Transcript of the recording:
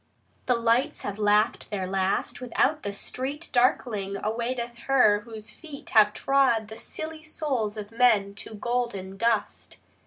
The lights have laughed their last; without, the street Darkling, awaiteth her whose feet have trod The silly souls of men to golden dust.